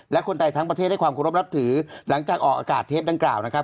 และคนไทยทั้งประเทศให้ความเคารพนับถือหลังจากออกอากาศเทปดังกล่าวนะครับ